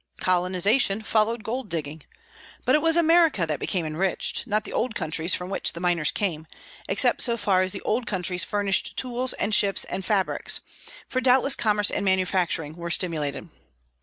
Colonization followed gold digging. But it was America that became enriched, not the old countries from which the miners came, except so far as the old countries furnished tools and ships and fabrics, for doubtless commerce and manufacturing were stimulated.